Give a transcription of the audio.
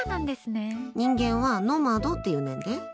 人間はノマドって言うねんで。